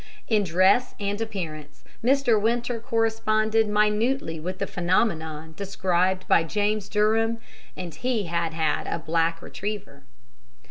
In dress and appearance Mr. Winter corresponded minutely with the phenomenon described by James Durham, and he had had a black retriever.